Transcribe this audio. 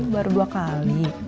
baru dua kali